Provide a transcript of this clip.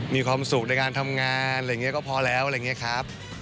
มีความสุขในการทำงานอะไรอย่างนี้ก็พอแล้วอะไรอย่างนี้ครับ